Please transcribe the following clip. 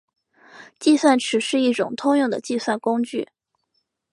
计算尺是一种通用的计算工具。